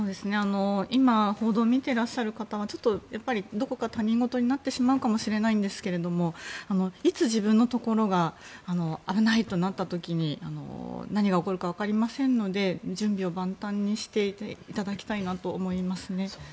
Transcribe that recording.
今報道を見てらっしゃる方はちょっとどこか他人事になってしまうかもしれないですがいつ自分のところが危ないとなった時に何が起こるかわかりませんので準備を万端にしていただきたいと思いますね。